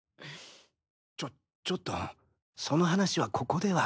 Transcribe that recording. ちょちょっとその話はここでは。